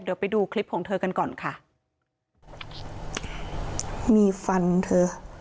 เดี๋ยวไปดูคลิปของเธอกันก่อนค่ะมีฟันเธอ